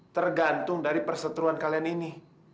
tergantung dari perseteruan kalian ini